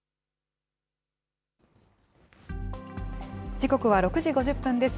時刻は６時５０分です。